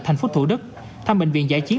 thành phố thủ đức thăm bệnh viện giải chiến